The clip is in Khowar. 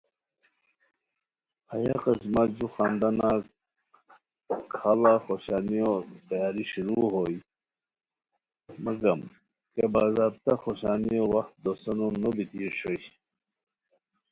ہیہ قسمہ جُو خاندانہ کھاڑا خوشانیو تیاری شروع ہونی، مگم کیہ باضابطہ خوشانیو وخت دوسئینو نو بیتی اوشوئے